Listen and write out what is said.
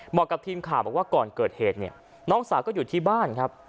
บอกกับทีมข่าวบอกว่าก่อนเกิดเหตุเนี่ยน้องสาวก็อยู่ที่บ้านครับ